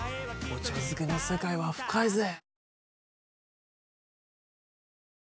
お茶漬けの世界は深いぜ。